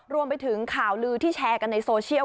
รวมไปถึงข่าวลือที่แชร์กันในโซเชียล